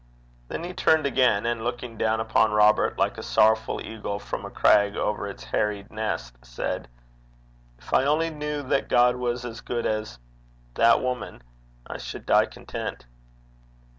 Then he turned again, and looking down upon Robert like a sorrowful eagle from a crag over its harried nest, said, 'If I only knew that God was as good as that woman, I should die content.'